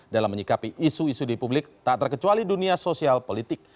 dalam menyikapi isu isu di publik tak terkecuali dunia sosial politik